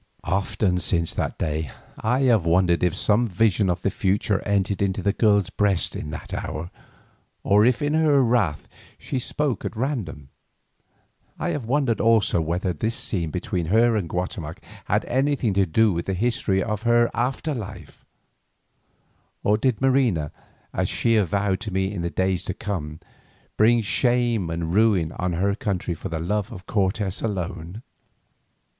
Often since that day I have wondered if some vision of the future entered into the girl's breast in that hour, or if in her wrath she spoke at random. I have wondered also whether this scene between her and Guatemoc had anything to do with the history of her after life; or did Marina, as she avowed to me in days to come, bring shame and ruin on her country for the love of Cortes alone?